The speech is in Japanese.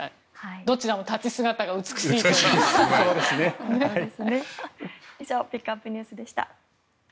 どちらも立ち姿が美しいということで。